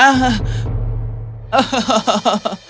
apa yang telah kau lakukan di sini